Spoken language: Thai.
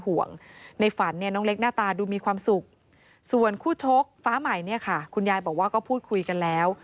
ว่าคุณยายบอกว่าก็พูดคุยกันแล้ว